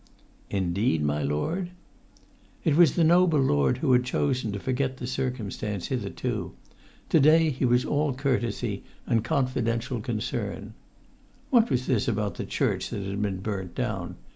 "Indeed, my lord?" It was the noble who had chosen to forget the circumstance hitherto; to day he was all courtesy and confidential concern. What was this about the church that had been burnt down?